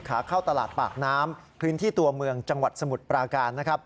ขาเข้าตลาดปากน้ำพื้นที่ตัวเมืองจังหวัดสมุทรปราการนะครับ